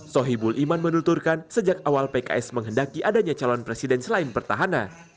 sohibul iman menunturkan sejak awal pks menghendaki adanya calon presiden selain pertahanan